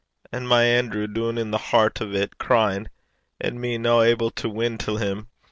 And my Anerew doon i' the hert o' 't cryin'! And me no able to win till him!